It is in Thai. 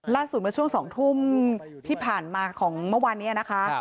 เมื่อช่วง๒ทุ่มที่ผ่านมาของเมื่อวานนี้นะคะ